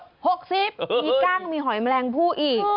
มีกั้งมีหอยแมลงผู้อีก